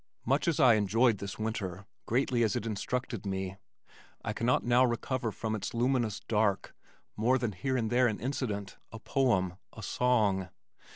Much as I enjoyed this winter, greatly as it instructed me, I cannot now recover from its luminous dark more than here and there an incident, a poem, a song.